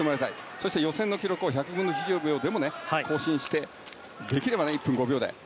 そして予選の記録を１００分の１秒でも更新して、できれば１分５秒台。